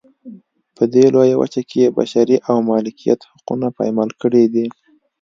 په دې لویه وچه کې یې بشري او مالکیت حقونه پایمال کړي دي.